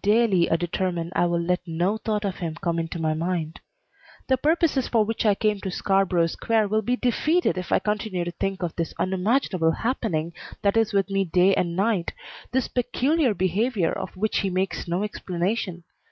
Daily I determine I will let no thought of him come into my mind. The purposes for which I came to Scarborough Square will be defeated if I continue to think of this unimaginable happening that is with me day and night, this peculiar behavior of which he makes no explanation.